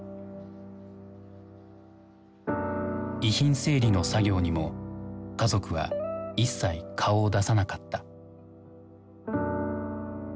遺品整理の作業にも家族は一切顔を出さなかった。